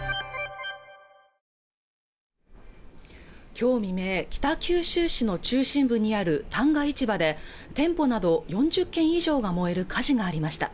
きょう未明北九州市の中心部にある旦過市場で店舗など４０軒以上が燃える火事がありました